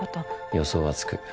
予想はつく。